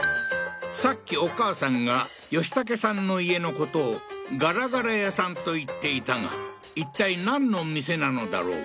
さっきお母さんが嘉丈さんの家のことを「がらがら屋さん」と言っていたがいったいなんの店なのだろう？